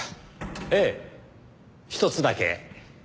ええひとつだけ。